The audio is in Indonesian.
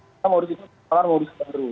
yang pertama modus itu adalah modus baru